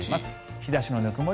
日差しのぬくもり